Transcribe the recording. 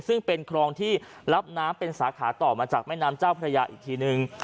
ซึ่งเป็นคลองที่รับน้ำเป็นสาขาต่อมาจากแม่น้ำเจ้าพระยาอีกทีนึง